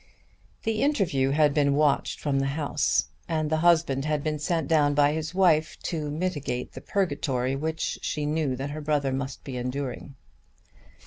The interview had been watched from the house and the husband had been sent down by his wife to mitigate the purgatory which she knew that her brother must be enduring.